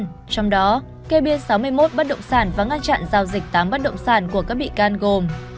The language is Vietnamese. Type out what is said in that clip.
trong đó kê biên sáu mươi một bắt động sản và ngăn chặn giao dịch tám bắt động sản của các bị can gồm